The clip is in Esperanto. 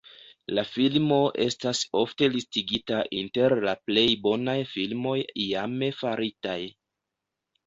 La filmo estas ofte listigita inter la plej bonaj filmoj iame faritaj.